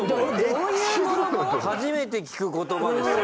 「初めて聞く言葉ですよ」